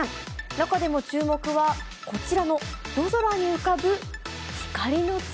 中でも注目は、こちらの夜空に浮かぶ光の粒。